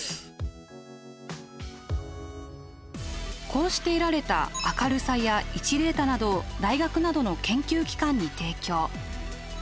こうして得られた明るさや位置データなどを大学などの研究機関に提供。